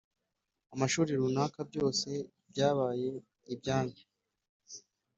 amashuri runaka byose byabaye ibyanyu,